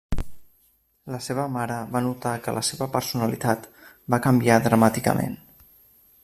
La seva mare va notar que la seva personalitat va canviar dramàticament.